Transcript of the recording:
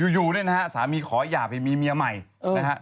อยู่เนี่ยนะฮะสามีขอหย่าไปมีเมียใหม่นะฮะ